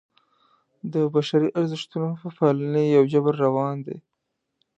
د بشري ارزښتونو په پالنې یو جبر روان دی.